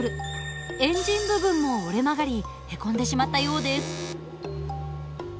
エンジン部分も折れ曲がりへこんでしまったようです。